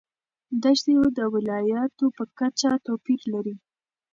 دښتې د ولایاتو په کچه توپیر لري.